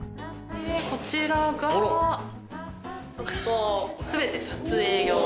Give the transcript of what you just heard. でこちらが。